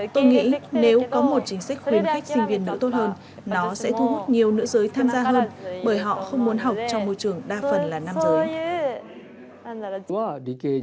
tôi nghĩ nếu có một chính sách khuyến khích sinh viên nữ tốt hơn nó sẽ thu hút nhiều nữ giới tham gia hơn bởi họ không muốn học trong môi trường đa phần là nam giới